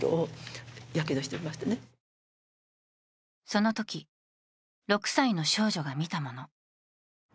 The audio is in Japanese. そのとき、６歳の少女が見たもの。